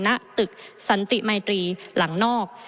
ณตึกสันติมัยตรีหลังนอก